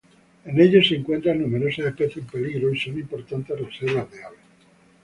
En ellos se encuentran numerosas especies en peligro y son importantes reservas de aves.